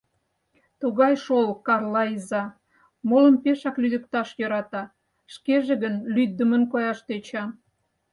Тугай шол Карла иза — молым пешак лӱдыкташ йӧрата, шкеже гын лӱддымын кояш тӧча.